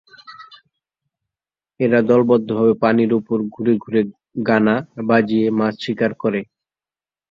এরা দলবদ্ধভাবে পানির ওপর ঘুরে ঘুরে গা না ভিজিয়ে মাছ শিকার করে।